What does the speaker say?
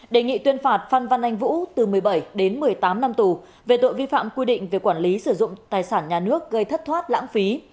đề nghị tuyên phạt phan văn anh vũ từ một mươi bảy đến một mươi tám năm tù về tội vi phạm quy định về quản lý sử dụng tài sản nhà nước gây thất thoát lãng phí